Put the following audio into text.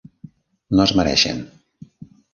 No es mereixen.